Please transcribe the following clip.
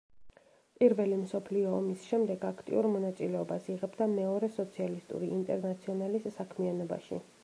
პირველი მსოფლიო ომის შემდეგ აქტიურ მონაწილეობას იღებდა მეორე სოციალისტური ინტერნაციონალის საქმიანობაში.